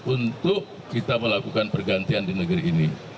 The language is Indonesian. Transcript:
untuk kita melakukan pergantian di negeri ini